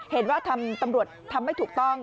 เห็นว่าตำรวจทำไม่ถูกต้อง